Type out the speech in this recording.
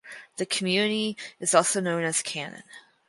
The community is also known as Canan.